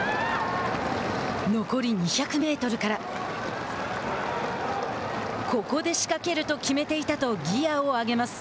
残り２００メートルからここで仕掛けると決めていたとギアを上げます。